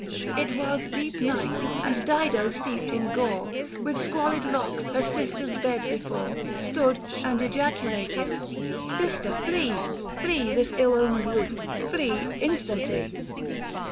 It was deep night and Dido steeped in gore With squalid locks her sister's bed before Stood and ejaculated, " Sister flee, 690 Flee this ill omened roof, flee instantly."